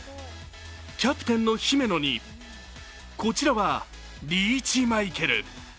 キャプテンの姫野に、こちらはリーチマイケル。